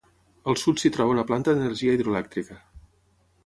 Al sud s'hi troba una planta d'energia hidroelèctrica.